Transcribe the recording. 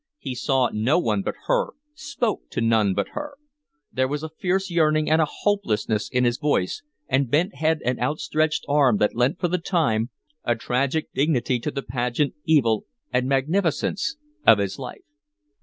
He saw no one but her, spoke to none but her. There was a fierce yearning and a hopelessness in his voice and bent head and outstretched arm that lent for the time a tragic dignity to the pageant, evil and magnificent, of his life.